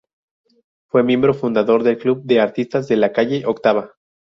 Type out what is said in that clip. Fue miembro fundador del Club de Artistas de la calle Octava.